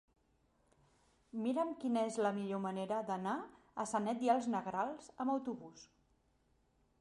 Mira'm quina és la millor manera d'anar a Sanet i els Negrals amb autobús.